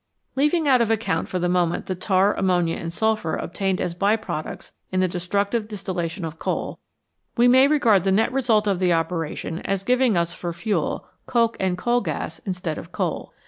Leaving out of account for the moment the tar, ammonia, and sulphur obtained as by products in the destructive distillation of coal, we may regard the net result of the operation as giving us for fuel coke coal gas instead of coal.